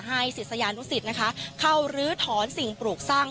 ศิษยานุสิตนะคะเข้าลื้อถอนสิ่งปลูกสร้าง